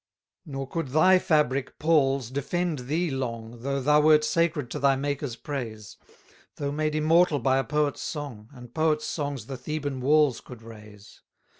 275 Nor could thy fabric, Paul's, defend thee long, Though thou wert sacred to thy Maker's praise: Though made immortal by a poet's song; And poets' songs the Theban walls could raise.